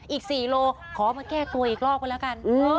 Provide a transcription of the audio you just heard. อีก๔โลขอมาแก้ตัวอีกรอบก็แล้วกัน